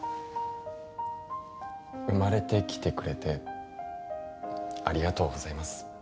生まれてきてくれてありがとうございます。